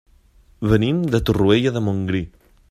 Venim de Torroella de Montgrí.